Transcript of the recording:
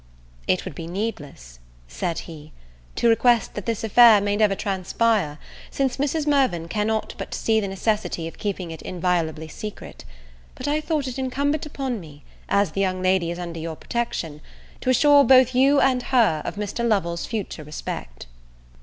"It would be needless," said he, "to request that this affair may never transpire, since Mrs. Mirvan cannot but see the necessity of keeping it inviolably secret; but I thought it incumbent upon me, as the young lady is under your protection, to assure both you and her of Mr. Lovel's future respect."